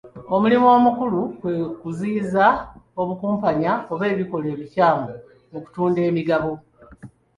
Omulimu omukulu kwe kuziyiza obukumpanya oba ebikolwa ebikyamu mu kutunda emigabo.